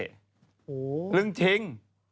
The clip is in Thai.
หูเรื่องทิ้ง